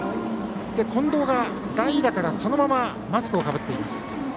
近藤が代打からそのままマスクをかぶっています。